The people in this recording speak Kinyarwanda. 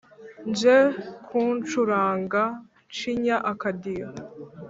nje nkucuranga ncinya akadiho